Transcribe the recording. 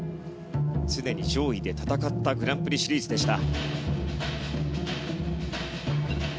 常に上位で戦ったグランプリシリーズでした。